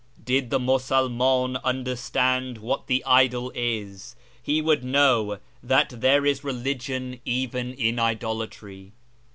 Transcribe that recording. ' Did the Musulmdn understand what the Idol is, He would know that tliere is religion even in idolatry.'